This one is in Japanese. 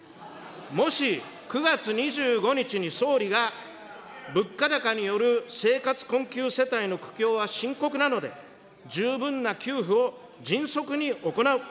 もし９月２５日に総理が物価高による生活困窮世帯の苦境は深刻なので、十分な給付を迅速に行う。